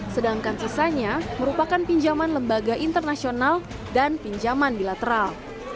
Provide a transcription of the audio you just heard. sedangkan sisanya merupakan pinjaman lembaga internasional dan pinjaman bilateral